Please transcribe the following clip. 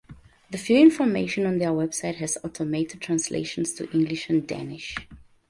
The few information on their website has automated translations to English and Danish.